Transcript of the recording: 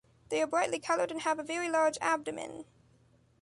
They are brightly colored and have a very large abdomen.